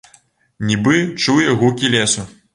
Нібы чуе гукі лесу.